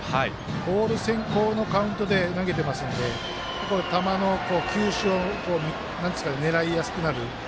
ボール先行のカウントで投げてますんで球の球種を狙いやすくなる。